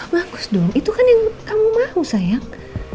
bagus dong itu kan yang kamu mau sayang